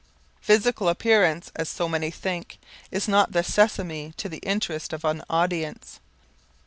Physical appearance, as so many think, is not the sesame to the interest of an audience.